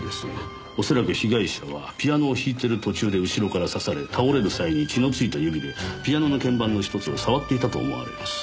おそらく被害者はピアノを弾いてる途中で後ろから刺され倒れる際に血の付いた指でピアノの鍵盤の１つを触っていたと思われます。